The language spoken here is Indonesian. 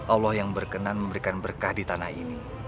allah yang berkenan memberikan berkah di tanah ini